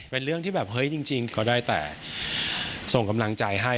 เป็นเรื่องที่แบบเฮ้ยจริงก็ได้แต่ส่งกำลังใจให้